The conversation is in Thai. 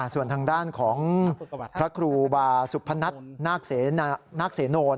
ส่วนทางด้านของพระครูบาสุพนัทนาคเสโน